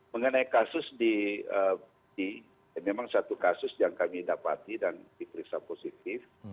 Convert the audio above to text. mengenai kasus di memang satu kasus yang kami dapati dan diperiksa positif